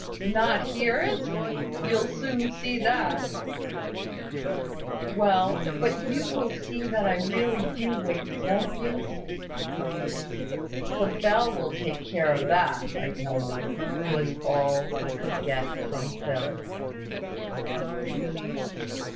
"Not hear it? You'll soon see that." "Well, but you will see that I really do wake, won't you?" "The bell will take care of that, I tell you," was all he could get from Phil.